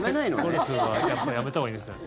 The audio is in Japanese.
ゴルフはやっぱりやめたほうがいいですね。